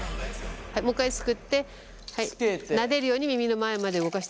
はいもう一回すくってなでるように耳の前まで動かしていく。